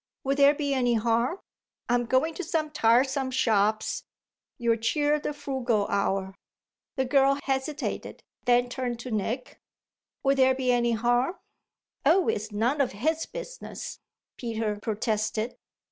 Would there be any harm? I'm going to some tiresome shops you'll cheer the frugal hour." The girl hesitated, then turned to Nick. "Would there be any harm?" "Oh it's none of his business!" Peter protested.